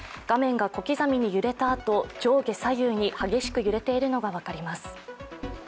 画面が小刻みに揺れた後、上下左右に激しく揺れているのが分かります。